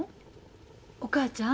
お母ちゃん？